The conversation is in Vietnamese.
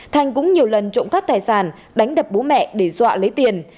thành cũng nhiều lần trộm cắp tài sản đánh đập bố mẹ để dọa lấy tiền